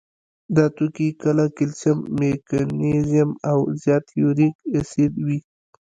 دا توکي کله کلسیم، مګنیزیم او زیات یوریک اسید وي.